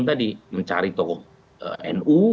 tadi mencari tokoh nu